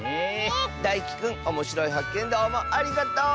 だいきくんおもしろいはっけんどうもありがとう！